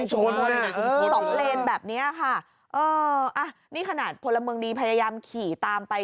สองเลนแบบเนี้ยค่ะเอออ่ะนี่ขนาดพลเมืองดีพยายามขี่ตามไป